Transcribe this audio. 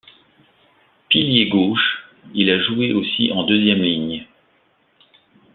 Pilier gauche, il a joué aussi en deuxième ligne.